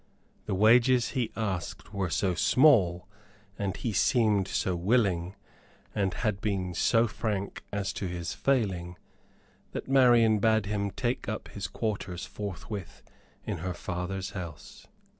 The wages he asked were so small, and he seemed so willing, and had been so frank as to his failing, that Marian bade him take up his quarters forthwith in her father's house.